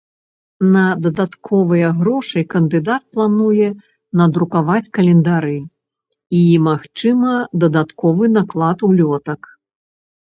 На дадатковыя грошы кандыдат плануе надрукаваць календары і, магчыма, дадатковы наклад улётак.